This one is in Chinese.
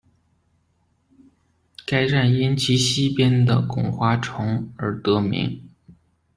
该站因其西边的巩华城而得名。